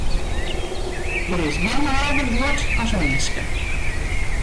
Der is gjin mâlder guod as minsken.